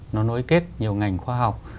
nó nối kết nhiều ngành khoa học